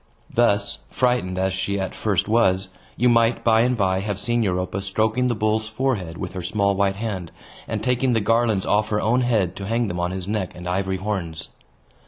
Thus, frightened as she at first was, you might by and by have seen Europa stroking the bull's forehead with her small white hand, and taking the garlands off her own head to hang them on his neck and ivory horns.